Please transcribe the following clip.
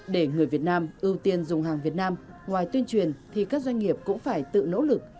để người việt nam ưu tiên dùng hàng việt nam ngoài tuyên truyền thì các doanh nghiệp cũng phải tự nỗ lực